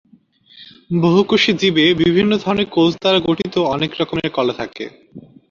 বহুকোষী জীবে বিভিন্ন ধরনের কোষ দ্বারা গঠিত অনেক রকমের কলা থাকে।